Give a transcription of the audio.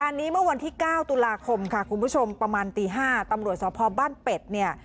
อันนี้เมื่อวันที่เก้าตุลาคมค่ะคุณผู้ชมประมาณตี๕ตำรวจสพบ้านเป็ดเนี่ย